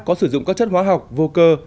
có sử dụng các chất hóa học vô cơ